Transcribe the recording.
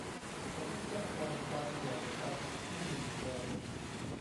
แต่ถ้าเทียบกันการตรวจคำที่มีอยู่เดิม